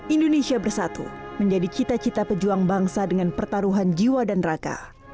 indonesia bersatu menjadi cita cita pejuang bangsa dengan pertaruhan jiwa dan raka